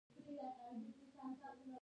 دوی د ناروغیو مخه نیسي.